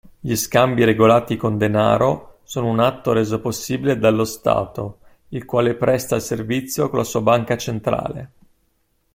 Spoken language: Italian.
Gli scambi regolati con denaro sono un atto reso possibile dallo stato il quale presta il servizio con la sua banca centrale.